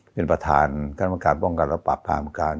เป็นประธานคณะกรรมการป้องกันและปรับปรามการ